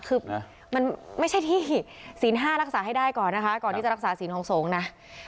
คือมันไม่ใช่ที่ศีล๕รักษาให้ได้ก่อนนะคะก่อนที่จะรักษาศีลของสงฆ์นะ